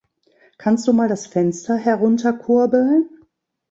Kannst du mal das Fenster herunterkurbeln?